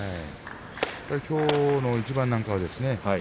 きょうの一番なんかはですね